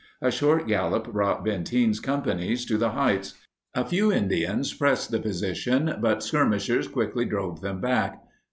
A short gallop brought Benteen's companies to the heights. A few Indians pressed the position, but skirmishers quickly drove them back.